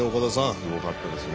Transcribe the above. すごかったですね